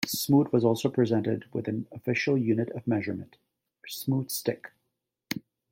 Smoot was also presented with an official unit of measurement: a smoot stick.